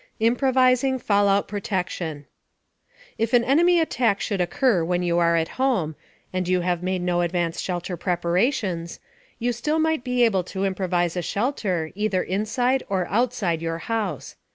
IMPROVISING FALLOUT PROTECTION If an enemy attack should occur when you are at home, and you have made no advance shelter preparations, you still might be able to improvise a shelter either inside or outside your house.